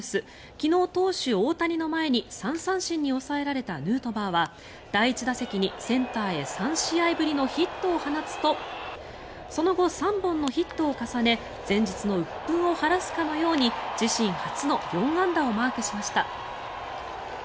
昨日、投手・大谷の前に３三振に抑えられたヌートバーは第１打席にセンターへ３試合ぶりのヒットを放つとその後、３本のヒットを重ね前日のうっ憤を晴らすかのように自身初の４安打をマークしました。